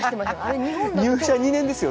入社２年ですよ。